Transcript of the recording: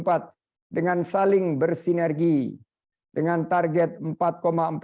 hai dengan targai dan pesta yang berbeda dengan pesta yang berbeda dengan pesta yang berbeda dengan